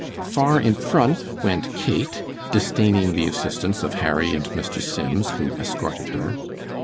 Far in front went Kate, disdaining the assistance of Harry and Mr. Sims, who escorted her.